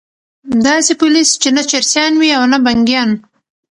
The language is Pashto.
داسي پولیس چې نه چرسیان وي او نه بنګیان